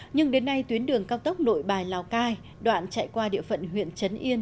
nhưng đến nay tuyến đường cao tốc nội bài lào cai đoạn chạy qua địa phận huyện trấn yên